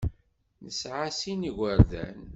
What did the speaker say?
Nesɛa sin n yigerdan.